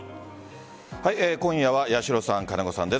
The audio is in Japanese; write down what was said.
今夜は八代さん、金子さんです。